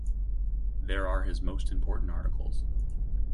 There are his most important articles.